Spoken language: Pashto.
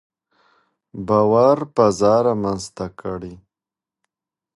باور فضا رامنځته کړئ.